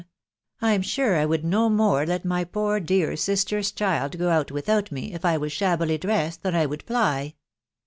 I'm sure I would no more let my poor .dear sister's child go ant with me, if I was shabbily dressed, than I would fly.